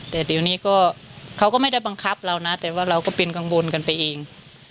แต่เดี๋ยวนี้ก็เขาก็ไม่ได้บังคับเรานะแต่ว่าเราก็เป็นกังวลกันไปเอง